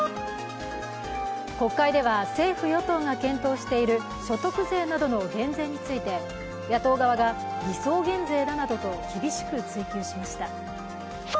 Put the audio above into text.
国会では政府・与党が検討している所得税などの減税について野党側が偽装減税だなどと厳しく追及しました。